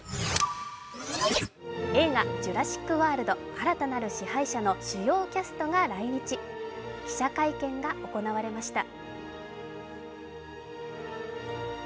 映画「ジュラシック・ワールド新たなる支配者」の主要キャストが来日、記者会見が行われました。